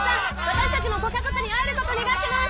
私たちもご家族に会えることを願ってます！